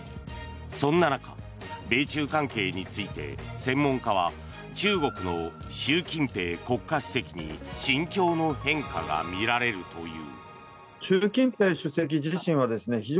そんな中、米中関係について専門家は中国の習近平国家主席に心境の変化が見られるという。